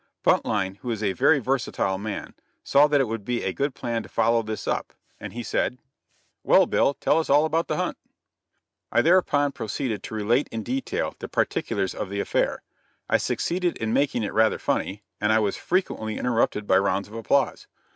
Buntline, who is a very versatile man, saw that it would be a good plan to follow this up, and he said: "Well, Bill, tell us all about the hunt." I thereupon proceeded to relate in detail the particulars of the affair. I succeeded in making it rather funny, and I was frequently interrupted by rounds of applause.